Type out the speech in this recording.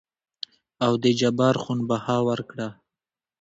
او دې جبار خون بها ورکړه.